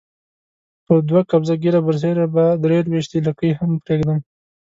پر دوه قبضه ږیره برسېره به درې لويشتې لکۍ هم پرېږدم.